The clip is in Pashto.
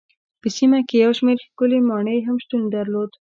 په سیمه کې یو شمېر ښکلې ماڼۍ هم شتون درلود.